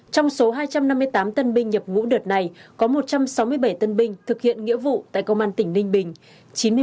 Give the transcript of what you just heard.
trong số hai trăm năm mươi tám tân binh nhập ngũ đợt này có một trăm sáu mươi bảy tân binh thực hiện nghĩa vụ tại công an tỉnh ninh bình